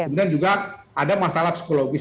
kemudian juga ada masalah psikologis